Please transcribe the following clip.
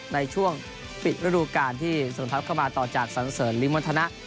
ในช่วงปิดฤดูการที่เสริมทัพเข้ามาต่อจากสรรเสริญริมวัฒนะ